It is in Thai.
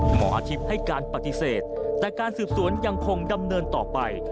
หมออาทิตย์ให้การปฏิเสธแต่การสืบสวนยังคงดำเนินต่อไป